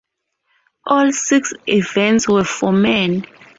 All six events were for men.